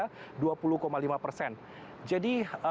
jadi itulah sebuah penyakit yang sangat menarik